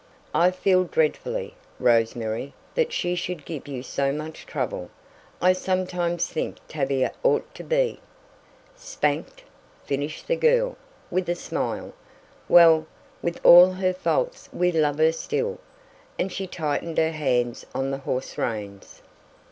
"I feel dreadfully, Rose Mary, that she should give you so much trouble. I sometimes think Tavia ought to be " "Spanked," finished the girl, with a smile. "Well, with all her faults we love her still," and she tightened her hands on the horse reins.